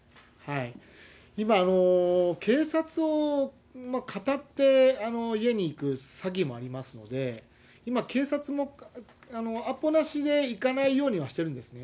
今、警察をかたって家に行く詐欺もありますので、今、警察もアポなしで行かないようにはしてるんですね。